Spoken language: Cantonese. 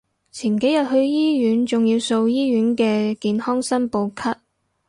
前幾日去醫院仲要掃醫院嘅健康申報卡